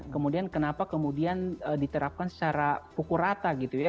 kemudian kenapa kemudian diterapkan secara pukul rata gitu ya